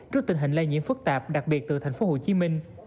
trước tình hình lây nhiễm phức tạp đặc biệt từ thành phố hồ chí minh